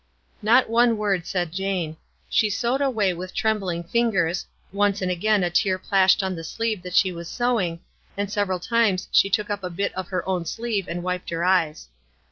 Not one word said Jane. She sewed away w T ith trembling fingers, once and again a tear DC 7 «—> plashed on the sleeve that she was sewing, and several times she took up a bit of her own sleeve and wiped her eyes.